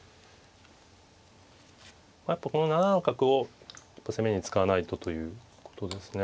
やっぱこの７七の角を攻めに使わないとということですね。